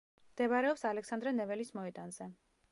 მდებარეობს ალექსანდრე ნეველის მოედანზე.